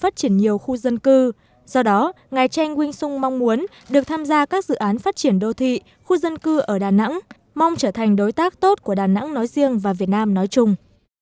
trong đó ngài trang quynh sung mong muốn được tham gia các dự án phát triển đô thị khu dân cư ở đà nẵng mong trở thành đối tác tốt của đà nẵng nói riêng và việt nam nói chung